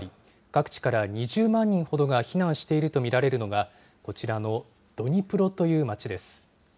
各地から２０万人ほどが避難していると見られるのが、こちらのドニプロという町です。